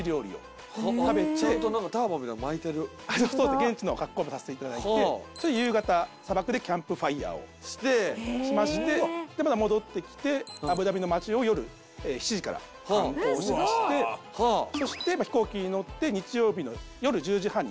現地の格好もさせていただいて夕方砂漠でキャンプファイアをしましてまた戻ってきてアブダビの街を夜７時から観光しましてそして飛行機に乗って日曜日の夜１０時半に。